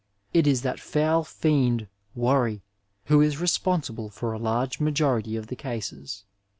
It is that fenl fiend Worry who is responsible for a large majority of the cases.